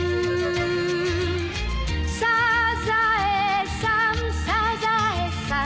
「サザエさんサザエさん」